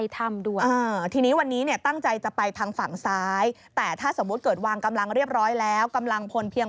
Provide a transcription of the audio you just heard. ของเจ้าหน้าที่ที่ประดับงานใต้ถ้ำด้วย